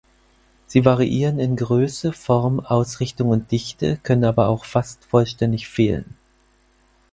Sie variieren in Größe, Form, Ausrichtung und Dichte, können aber auch fast vollständig fehlen.